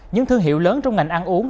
những thương hiệu lớn trong ngành ăn uống